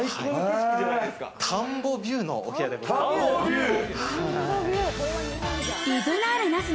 田んぼビューのお部屋でございます。